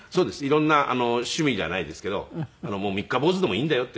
色んな趣味じゃないですけど三日坊主でもいいんだよという。